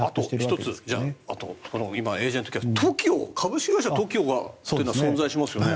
あと１つエージェント契約株式会社ＴＯＫＩＯというのが存在しますよね。